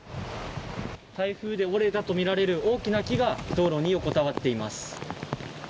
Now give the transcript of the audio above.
台風で折れたとみられる大きな木が道路に横たわっています。